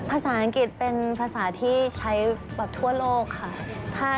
ภาษาอังกฤษเป็นภาษาที่ใช้แบบทั่วโลกค่ะ